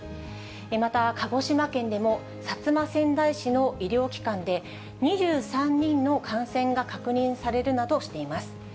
また鹿児島県でも薩摩川内市の医療機関で、２３人の感染が確認されるなどしています。